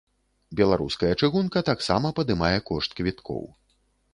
Беларуская чыгунка таксама падымае кошт квіткоў.